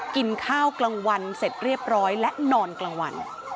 กินข้าวกลางวันเสร็จเรียบร้อยและนอนกลางวัน